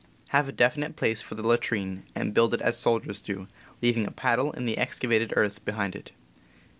Have a definite place for the latrine, and build it as soldiers do, leav ing a paddle in the excavated earth behind it.